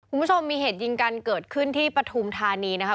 คุณผู้ชมมีเหตุยิงกันเกิดขึ้นที่ปฐุมธานีนะคะ